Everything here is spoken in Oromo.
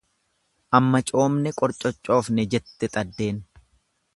Amma coomne qorcoccoofne jette xaddeen.